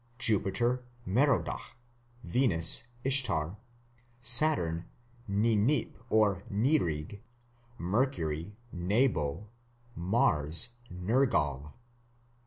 Jupiter, Merodach. Venus, Ishtar. Saturn, Ninip (Nirig). Mercury, Nebo. Mars, Nergal.